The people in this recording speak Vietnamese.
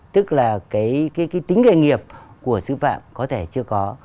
tức là cái tính nghề nghiệp của sư phạm có thể chưa có